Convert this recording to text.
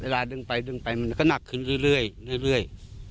เวลาดึงไปดึงไปมันหนักขึ้นเรื่อยเรื่อย